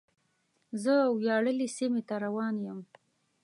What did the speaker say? زه وياړلې سیمې ته روان یم.